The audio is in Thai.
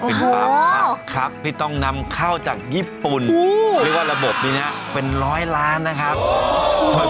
เป็นปั๊มครับครับที่ต้องนำเข้าจากญี่ปุ่นเรียกว่าระบบนี้นะเป็นร้อยล้านนะครับ